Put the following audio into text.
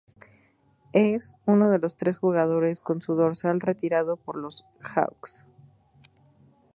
És uno de los tres jugadores con su dorsal retirado por los Hawks.